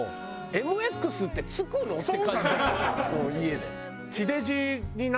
ＭＸってつくの？って感じだった